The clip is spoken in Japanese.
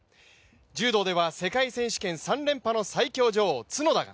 柔道では世界選手権三連覇の最強女王・角田。